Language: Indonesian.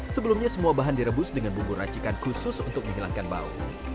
sebelumnya semua bahan direbus dengan bumbu racikan khusus untuk menghilangkan bau